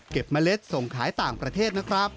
เมล็ดส่งขายต่างประเทศนะครับ